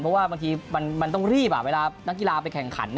เพราะว่าบางทีมันต้องรีบเวลานักกีฬาไปแข่งขัน